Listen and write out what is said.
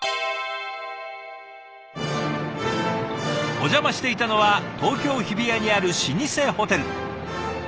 お邪魔していたのは東京・日比谷にある老舗ホテル。